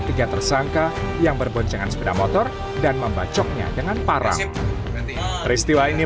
tiga tersangka yang berboncengan sepeda motor dan membacoknya dengan parah peristiwa ini